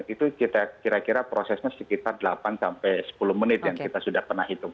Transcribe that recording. itu kita kira kira prosesnya sekitar delapan sampai sepuluh menit yang kita sudah pernah hitung